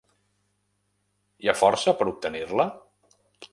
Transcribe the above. Hi ha força per obtenir-la?